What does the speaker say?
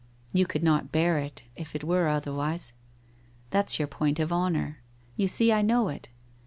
You could not bear it if it were otherwise. That's your point of honour. You see I know it.